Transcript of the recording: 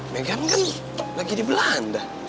meghan kan lagi di belanda